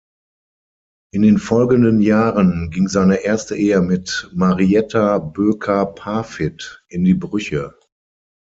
In den folgenden Jahren ging seine erste Ehe mit Marietta Böker-Parfitt in die Brüche.